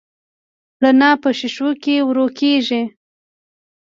رڼا په شیشو کې ورو کېږي.